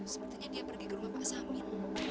sepertinya dia pergi ke rumah pak samin